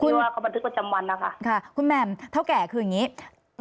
ว่าเขาบันทึกประจำวันนะคะค่ะคุณแหม่มเท่าแก่คืออย่างนี้